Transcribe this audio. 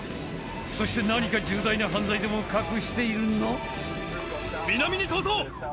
そして何か重大な犯罪でも隠しているの？